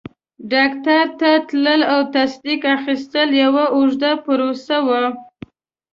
ډاکټر ته تلل او تصدیق اخیستل یوه اوږده پروسه وه.